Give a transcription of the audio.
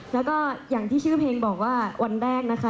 แล้วก็อย่างที่ชื่อเพลงบอกว่าวันแรกนะคะ